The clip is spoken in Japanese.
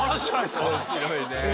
すごい！え